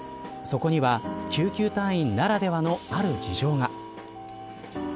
そこには救急隊員ならではのある事情が。